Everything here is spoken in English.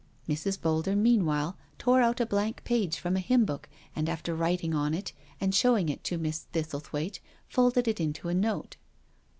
Mrs. Boulder meanwhile tore out a blank page from a hymn book and after writing on it, and showing it to Miss Thistlethwaite, folded it into a note.